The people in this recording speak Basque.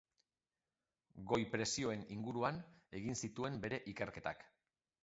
Goi-presioen inguruan egin zituen bere ikerketak.